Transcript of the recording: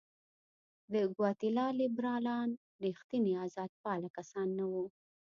د ګواتیلا لیبرالان رښتیني آزادپاله کسان نه وو.